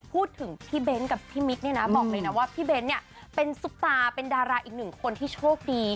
พี่เบ้นกับพี่มิ๊กเนี่ยนะบอกเลยนะว่าพี่เบ้นเนี่ยเป็นซุปตาเป็นดาราอีกหนึ่งคนที่โชคดี